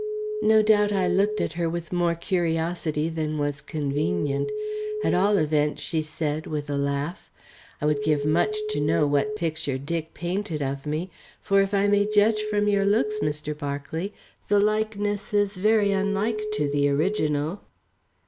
No doubt I looked at her with more curiosity than was convenient; at all events she said, with a laugh: "I would give much to know what picture Dick painted of me, for if I may judge from your looks, Mr. Berkeley, the likeness is very unlike to the original."